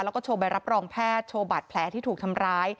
แล้วก็โชว์ใบรับรองแพทย์โชว์บาดแผลที่ถูกทำร้าย